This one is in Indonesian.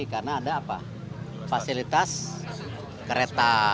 karena ada apa fasilitas kereta